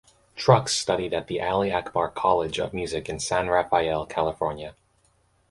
Trucks studied at the Ali Akbar College of Music in San Rafael, California.